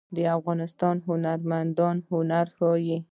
د افغانستان هنرمندان هنر ښيي